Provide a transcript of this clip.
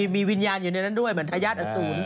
มีวิญญาณอยู่ในนั้นด้วยเหมือนทายาทอสูร